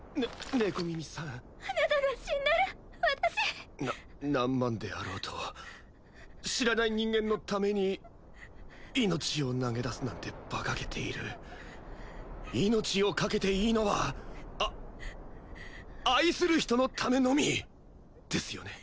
猫耳さんあなたが死んだら私な何万であろうと知らない人間のために命を投げ出すなんてバカげている命を懸けていいのはあ愛する人のためのみですよね